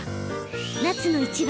夏野一番。